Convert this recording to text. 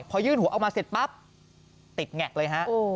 พอยื่นหัวออกมาเสร็จปั๊บติดแงกเลยฮะ